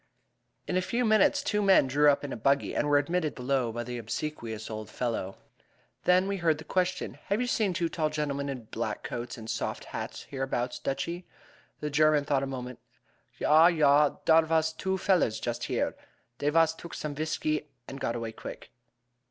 In a few minutes two men drew up in a buggy, and were admitted below by the obsequious old fellow. Then we heard the question: "Have you seen two tall gentlemen in black coats and soft hats hereabouts, Dutchy?" The German thought a moment: "Yah, yah; dare vas two big fellers just here; dey vas took some viskey and got away quick."